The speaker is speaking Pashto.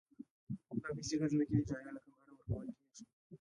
دا پیسې د ځمکې د اجارې له کبله ورکول کېږي